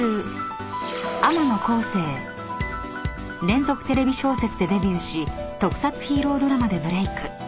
［連続テレビ小説でデビューし特撮ヒーロードラマでブレーク］